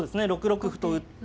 ６六歩と打って。